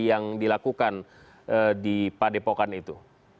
yang dilakukan di padepokan itu